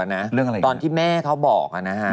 เรื่องอะไรอย่างนี้ตอนที่แม่เขาบอก